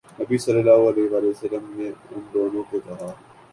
نبی صلی اللہ علیہ وسلم نے ان دونوں کو کہا